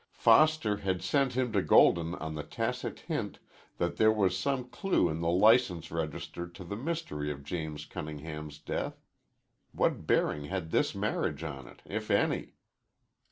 Foster had sent him to Golden on the tacit hint that there was some clue in the license register to the mystery of James Cunningham's death. What bearing had this marriage on it, if any?